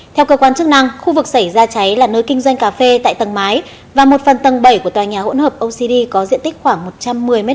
theo cơ quan chức năng khu vực xảy ra cháy là nơi kinh doanh cà phê tại tầng mái và một phần tầng bảy của tòa nhà hỗn hợp ocd có diện tích khoảng một trăm một mươi m hai